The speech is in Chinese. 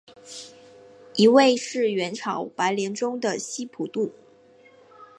一位是元朝白莲宗的释普度。